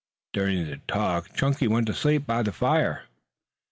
During the talk Chunky went to sleep by the fire.